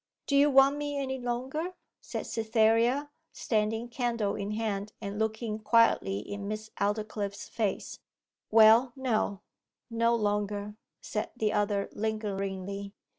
'Do you want me any longer?' said Cytherea, standing candle in hand and looking quietly in Miss Aldclyffe's face. 'Well no: no longer,' said the other lingeringly.